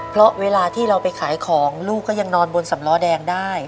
เพราะเวลาที่เราไปขายของลูกก็ยังนอนบนสำล้อแดงได้